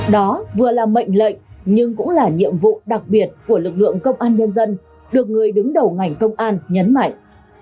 đó vừa là mệnh lệnh nhưng cũng là nhiệm vụ đặc biệt của lực lượng công an nhân dân được người đứng đầu ngành công an nhấn mạnh